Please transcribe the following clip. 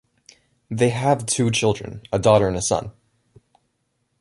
They have two children, a daughter and a son.